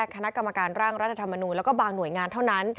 คณะกรรมการร่างรัฐธรรมนูลแล้วก็บางหน่วยงานเท่านั้น